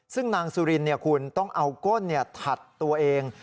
ซึ่งนางสุรินคุณต้องเอาก้นถัดตัวเอง